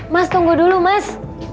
mas tunggu dulu mas